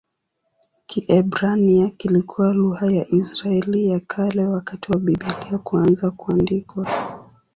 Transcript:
Kiebrania kilikuwa lugha ya Israeli ya Kale wakati wa Biblia kuanza kuandikwa.